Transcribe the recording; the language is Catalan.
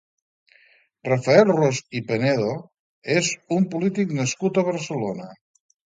Rafael Ros i Penedo és un polític nascut a Barcelona.